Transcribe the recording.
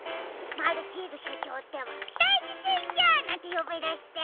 マルチーズしょちょうってば「だいじけんじゃ」なんてよびだして。